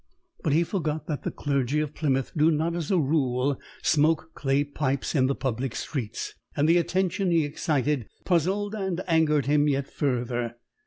But he forgot that the clergy of Plymouth do not as a rule smoke clay pipes in the public streets, and the attention he excited puzzled and angered him yet further.